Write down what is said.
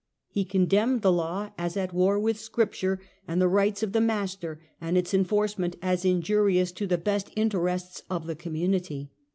He condemned the law as at war with Scripture and the rights of the mas ter, and its enforcement as injurious to the best inter ests of the community.